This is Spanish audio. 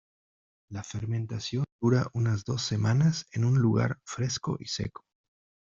La fermentación dura unas dos semanas en un lugar fresco y seco.